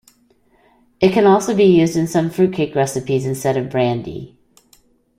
It can also be used in some fruitcake recipes instead of brandy.